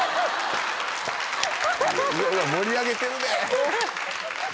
いやいや盛り上げてるで！